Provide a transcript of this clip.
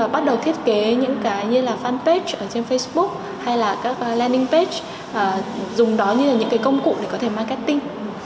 bắt đầu thiết kế những cái như là fanpage ở trên facebook hay là các leninpage dùng đó như là những cái công cụ để có thể marketing